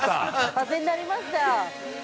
◆風になりました。